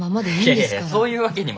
いやいやそういうわけには。